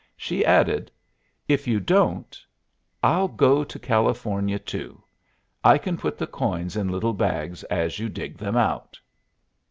She added: "If you don't I'll go to California too. I can put the coins in little bags as you dig them out."